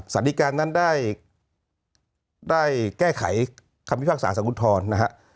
สารดีกานั้นได้แก้ไขคำพิพากษาสังพุทธรณ์